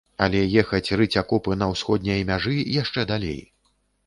Але ехаць рыць акопы на ўсходняй мяжы яшчэ далей.